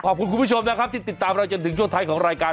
คุณผู้ชมนะครับที่ติดตามเราจนถึงช่วงท้ายของรายการ